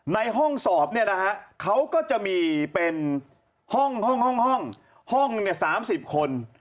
ในห้องสอบเนี่ยนะฮะเขาก็จะมีเป็นห้องห้องเนี่ย๓๐คน